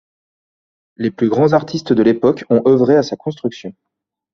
Les plus grands artistes de l'époque ont œuvré à sa construction.